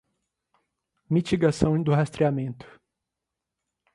mitigação do rastreamento